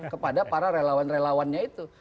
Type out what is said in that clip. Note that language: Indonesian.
kepada para relawan relawannya itu